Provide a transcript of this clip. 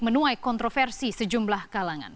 menuai kontroversi sejumlah kalangan